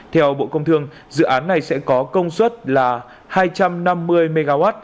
theo bộ công thương dự án này sẽ có công suất là hai trăm năm mươi mw